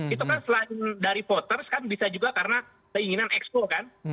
itu kan selain dari voters kan bisa juga karena keinginan expo kan